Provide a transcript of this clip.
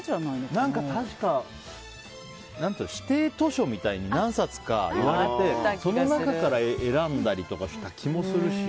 確か指定図書みたいに何冊かいわれて、その中から選んだりとかした気もするし。